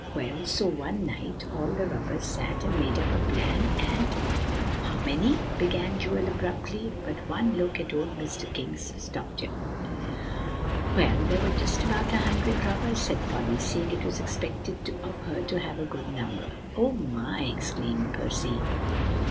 Well, so one night, all the robbers sat and made up a plan, and" "How many?" began Joel abruptly. But one look at old Mr. King stopped him. "Well, there were just about a hundred robbers," said Polly, seeing it was expected of her to have a good number. "Oh, my!" exclaimed Percy.